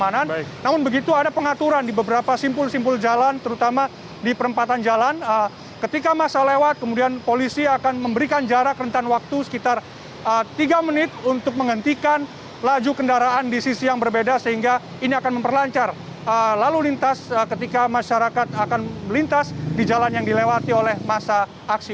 namun begitu ada pengaturan di beberapa simpul simpul jalan terutama di perempatan jalan ketika masa lewat kemudian polisi akan memberikan jarak rentan waktu sekitar tiga menit untuk menghentikan laju kendaraan di sisi yang berbeda sehingga ini akan memperlancar lalu lintas ketika masyarakat akan melintas di jalan yang dilewati oleh masa aksi